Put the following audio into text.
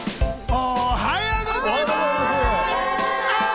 おはようございます！